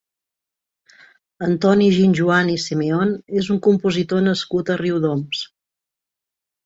Antoni Guinjoan i Simeón és un compositor nascut a Riudoms.